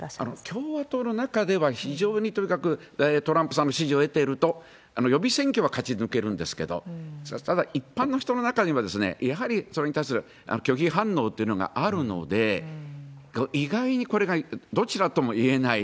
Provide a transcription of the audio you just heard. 共和党の中では、非常に、とにかくトランプさんの支持を得てると予備選挙は勝ち抜けるんですけれども、ただ、一般の人の中には、やはりそれに対する拒否反応というのがあるので、意外にこれがどちらとも言えない。